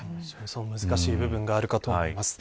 難しい部分があるかと思います。